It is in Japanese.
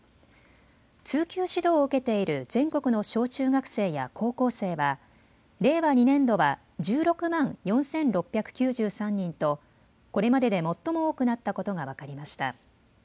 通級指導を受けている全国の小中学生や高校生は令和２年度は１６万４６９３人とこれまでで最も多くなったことが分かりました。